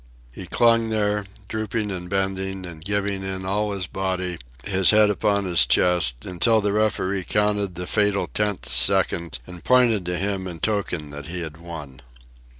He clung there, drooping and bending and giving in all his body, his head upon his chest, until the referee counted the fatal tenth second and pointed to him in token that he had won.